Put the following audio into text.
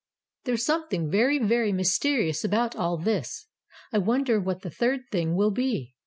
"There's something very, very mysterious about all this. I wonder what the third thing will be."